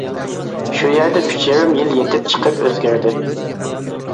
شۇ يەردە ئۈچ يېرىم يىل يېتىپ چىقىپ ئۆزگەردى.